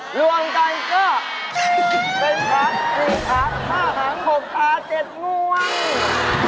หลวงกันก็เป็น๓๔ขา๕๖ตา๗งวง